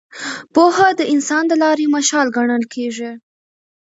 پوهه د انسان د لارې مشال ګڼل کېږي.